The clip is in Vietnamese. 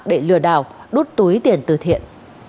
để lừa đảo đút túi tiền từ thiện